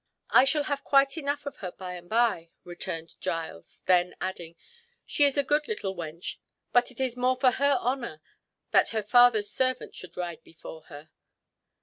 "I shall have quite enough of her by and by," returned Giles; then adding, "She is a good little wench, but it is more for her honour that her father's servant should ride before her."